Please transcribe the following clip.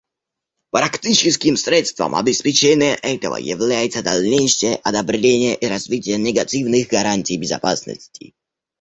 Практическим средством обеспечения этого является дальнейшее одобрение и развитие негативных гарантий безопасности.